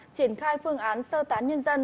triển khai phương án sơ tán nhân dân